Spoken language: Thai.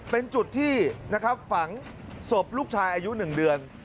เป็นจุดที่ฝังสมลูกชายอายุ๑เดือน